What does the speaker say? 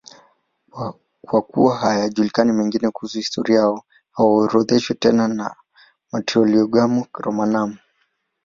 Kwa kuwa hayajulikani mengine kuhusu historia yao, hawaorodheshwi tena na Martyrologium Romanum.